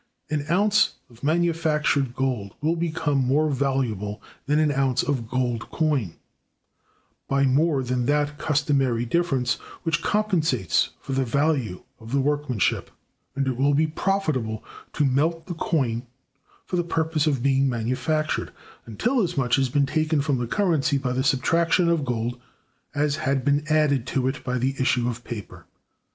An ounce of manufactured gold will become more valuable than an ounce of gold coin, by more than that customary difference which compensates for the value of the workmanship; and it will be profitable to melt the coin for the purpose of being manufactured, until as much has been taken from the currency by the subtraction of gold as had been added to it by the issue of paper.